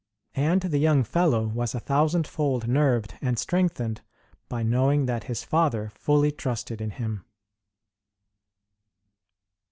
And the young fellow was a thousandfold nerved and strengthened by knowing that his father fully trusted in him.